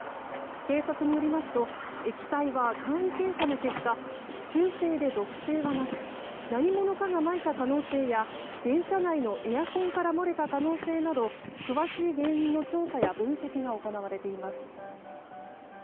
警察によりますと液体は簡易検査の結果中性で毒性はなく何者かがまいた可能性や電車内のエアコンから漏れた可能性など詳しい原因の調査や分析が行われています。